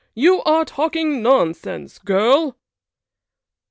You are talking nonsense, girl!"